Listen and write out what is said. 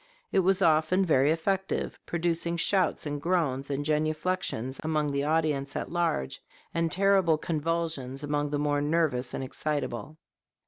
It was often very effective, producing shouts and groans and genuflections among the audience at large, and terrible convulsions among the more nervous and excitable.